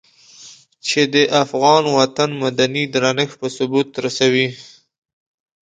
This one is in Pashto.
چې د افغان وطن مدني درنښت په ثبوت رسوي.